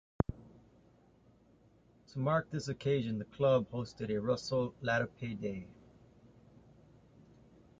To mark this occasion the club hosted a 'Russell Latapy Day'.